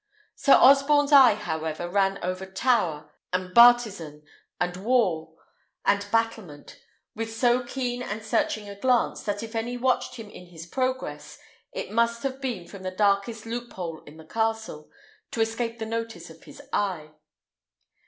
Sir Osborne's eye, however, ran over tower, and bartizan, and wall, and battlement, with so keen and searching a glance, that if any watched him in his progress, it must have been from the darkest loophole in the castle, to escape the notice of his eye.